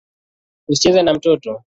Usicheze na moto.